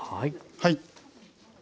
はい。